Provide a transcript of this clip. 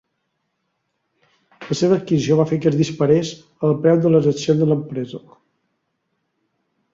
La seva adquisició va fer que es disparés el preu de les accions de l'empresa.